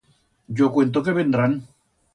Yo cuento que vendrán.